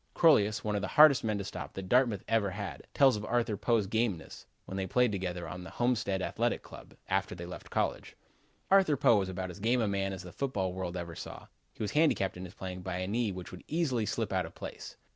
'" Crolius, one of the hardest men to stop that Dartmouth ever had, tells of Arthur Poe's gameness, when they played together on the Homestead Athletic Club team, after they left college. "Arthur Poe was about as game a man as the football world ever saw. He was handicapped in his playing by a knee which would easily slip out of place.